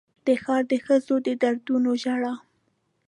د ښار د ښځو د دردونو ژړا